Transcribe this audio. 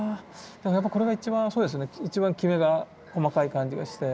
やっぱこれが一番そうですね一番キメが細い感じがして。